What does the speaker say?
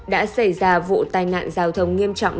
đã xảy ra vụ tai nạn giao thông nghiêm trọng